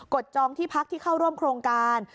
จองที่พักที่เข้าร่วมโครงการ